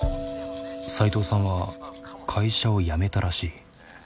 斎藤さんは会社を辞めたらしい。